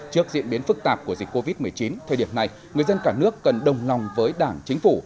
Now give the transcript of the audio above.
trước diễn biến phức tạp của dịch covid một mươi chín thời điểm này người dân cả nước cần đồng lòng với đảng chính phủ